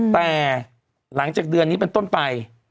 แต่หลังจากเดือนนี้เป็นต้นไป